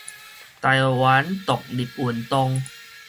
台灣獨立運動